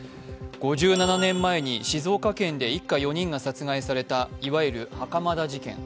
５７年前に静岡県で一家４人が殺害されたいわゆる袴田事件。